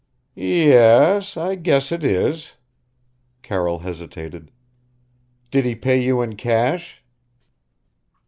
"Ye e es, I guess it is." Carroll hesitated. "Did he pay you in cash?"